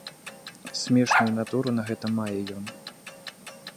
Смешную натуру на гэта мае ён.